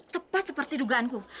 tepat seperti dugaanku